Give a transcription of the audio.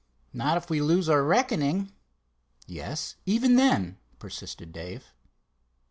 "Not if we lose our reckoning." "Yes, even then," persisted Dave.